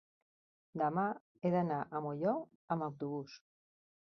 demà he d'anar a Molló amb autobús.